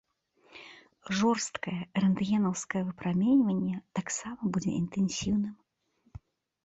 Жорсткае рэнтгенаўскае выпраменьванне таксама будзе інтэнсіўным.